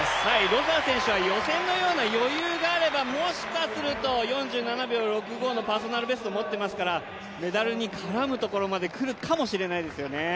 ロサー選手は予選のような余裕があれば４７秒６５のパーソナルベストを持ってますからメダルに絡むところまでくるかもしれないですよね。